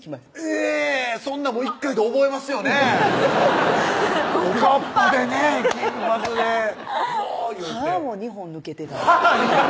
えぇそんなもん１回で覚えますよねぇおかっぱでね金髪で歯も２本抜けてた歯２本！